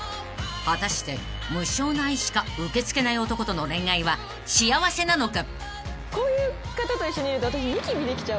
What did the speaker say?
［果たして無償の愛しか受け付けない男との恋愛は幸せなのか？］